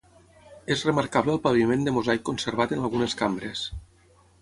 És remarcable el paviment de mosaic conservat en algunes cambres.